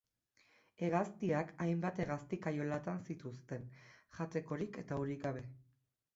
Hegaztiak hainbat hegazti-kaiolatan zituzten, jatekorik eta urik gabe.